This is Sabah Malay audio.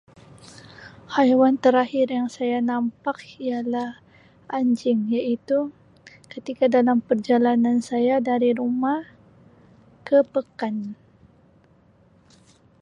Haiwan terakhir yang saya nampak ialah anjing iaitu ketika dalam perjalanan saya dari rumah ke pekan.